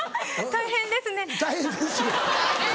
「大変ですね」。